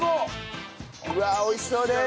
うわあ美味しそうです！